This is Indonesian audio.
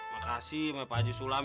makasih pak haji sulam